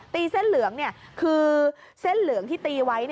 เส้นเหลืองคือเส้นเหลืองที่ตีไว้